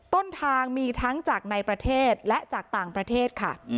ต้นทางมีทั้งจากในประเทศและจากต่างประเทศค่ะ